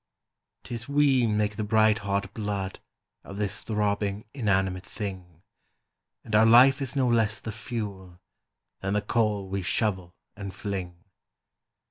"'Tis we make the bright hot blood Of this throbbing inanimate thing; And our life is no less the fuel Than the coal we shovel and fling.